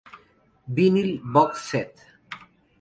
Vinyl Box Set